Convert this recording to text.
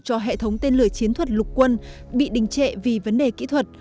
cho hệ thống tên lửa chiến thuật lục quân bị đình trệ vì vấn đề kỹ thuật